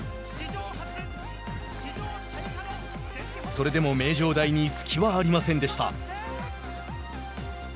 それでも名城大に隙はありませんでした。